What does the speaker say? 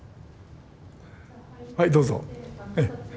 はいどうぞ。